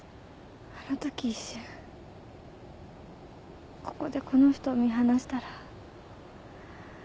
あのとき一瞬ここでこの人を見放したら。